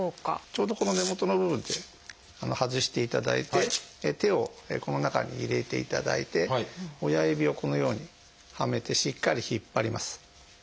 ちょうどこの根元の部分で外していただいて手をこの中に入れていただいて親指をこのようにはめてしっかり引っ張ります。